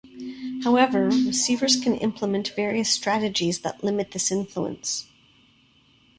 However, receivers can implement various strategies that limit this influence.